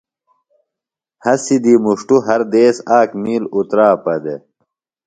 ہسی دی مُݜٹوۡ ہر دیس آک مِیل اُتراپہ دےۡ۔